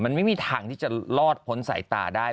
มันไม่มีทางที่จะรอดพ้นสายตาได้